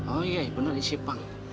oh iya benar si ipang